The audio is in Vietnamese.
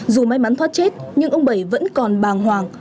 dù may mắn thoát chết nhưng ông bảy vẫn còn bàng hoàng